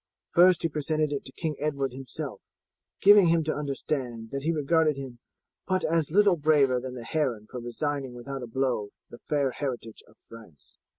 First he presented it to King Edward himself, giving him to understand that he regarded him but as little braver than the heron for resigning without a blow the fair heritage of France."